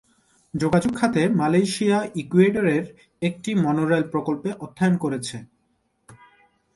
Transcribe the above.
যোগাযোগ খাতে, মালয়েশিয়া, ইকুয়েডরের একটি মনোরেল প্রকল্পে অর্থায়ন করেছে।